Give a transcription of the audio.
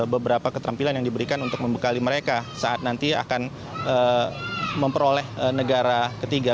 beberapa keterampilan yang diberikan untuk membekali mereka saat nanti akan memperoleh negara ketiga